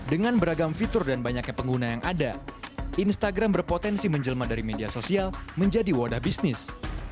dengan beragam fitur dan banyaknya pengguna yang ada instagram berpotensi menjelma dari media sosial menjadi wadah bisnis